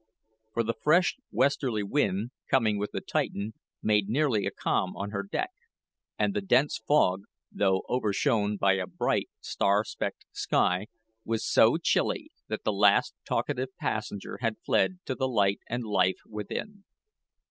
For the fresh westerly wind, coming with the Titan, made nearly a calm on her deck; and the dense fog, though overshone by a bright star specked sky, was so chilly that the last talkative passenger had fled to the light and life within.